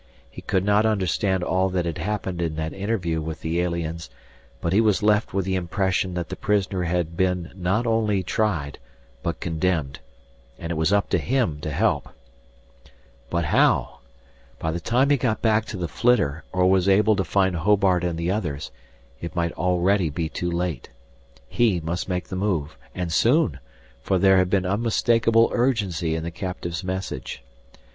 He could not understand all that had happened in that interview with the aliens, but he was left with the impression that the prisoner had been not only tried but condemned. And it was up to him to help. But how? By the time he got back to the flitter or was able to find Hobart and the others, it might already be too late. He must make the move, and soon, for there had been unmistakable urgency in the captive's message.